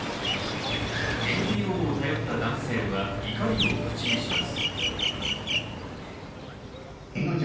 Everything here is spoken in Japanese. ＮＰＯを頼った男性は怒りを口にします。